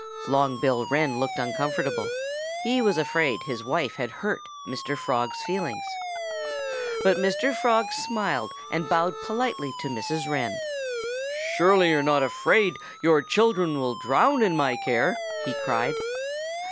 Long Bill Wren looked uncomfortable. He was afraid his wife had hurt Mr. Frog's feelings. But Mr. Frog smiled and bowed politely to Mrs. Wren. "Surely you're not afraid your children will drown in my care?" he cried.